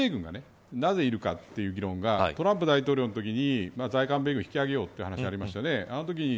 在韓米軍がなぜいるかという議論がトランプ大統領のときに在韓米軍を引き上げるって話ありましたね。